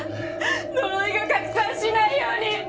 呪いが拡散しないように！